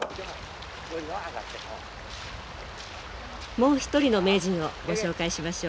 もう一人の名人をご紹介しましょう。